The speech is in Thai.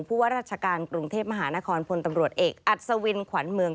ว่าราชการกรุงเทพมหานครพลตำรวจเอกอัศวินขวัญเมือง